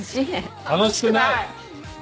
楽しくない！